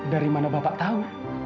dari mana bapak tahu